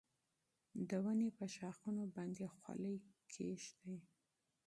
د ونې په ښاخونو باندې خلی کېږده.